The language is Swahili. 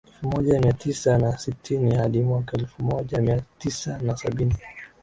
Elfu moja mia tisa na sitini hadi mwaka elfu moja mia tisa na sabini